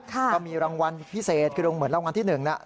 ก็มีรางวัลพิเศษคือเหมือนรางวัลที่๑นะ